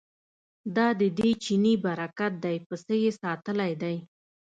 دا ددې چیني برکت دی پسه یې ساتلی دی.